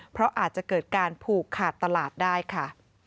เพราะอาจจะเกิดการผูกขาดตลาดได้ค่ะ